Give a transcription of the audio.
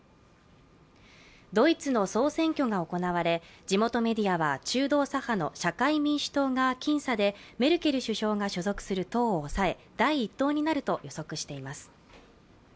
ドイツの総選挙が行われ地元メディアは中道左派の中道左派の社会民主党が僅差でメルケル首相が所属する党を抑え、第１党になると予測しています。